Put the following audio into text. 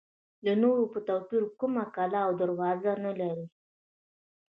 د نورو په توپیر کومه کلا او دروازه نه لري.